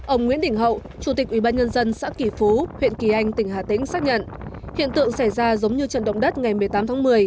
ông nguyễn đình hậu chủ tịch ubnd xã kỳ phú huyện kỳ anh tỉnh hà tĩnh xác nhận hiện tượng xảy ra giống như trận động đất ngày một mươi tám tháng một mươi